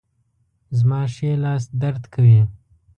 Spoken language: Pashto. زما ښي لاس درد کوي